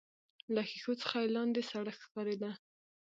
له ښيښو څخه يې لاندې سړک ښکارېده.